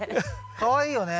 かわいいよね。